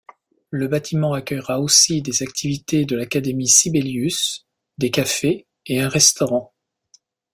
Le bâtiment accueillera aussi des activités de l'Académie Sibelius, des cafés et un restaurant.